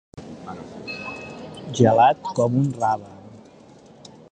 Gelat com un rave.